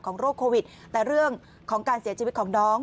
โรคโควิดแต่เรื่องของการเสียชีวิตของน้อง